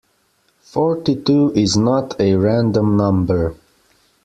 Forty-two is not a random number.